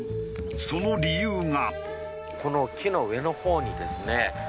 その理由が。